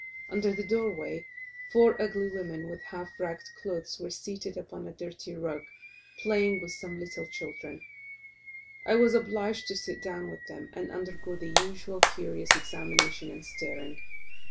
Under the door way, four ugly women with half ragged clothes, were seated upon a dirty rug, playing with some little children. I was obliged to sit down with them, and undergo the usual curious examination and staring.